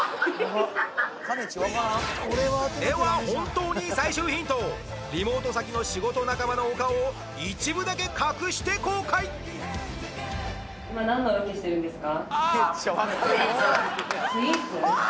では本当に最終ヒントリモート先の仕事仲間のお顔を一部だけ隠して公開あー！